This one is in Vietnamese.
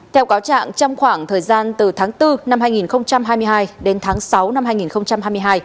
theo cáo trạng trong khoảng thời gian từ tháng bốn năm hai nghìn hai mươi hai đến tháng sáu năm hai nghìn hai mươi hai